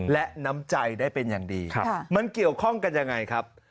และน้ำใจได้เป็นอย่างดีมันเกี่ยวข้องกันยังไงครับ